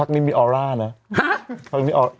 นี่มีออร่านะ